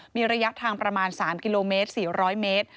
มีระยะทางประมาณ๓กิโลเมตร๔๐๐เมตร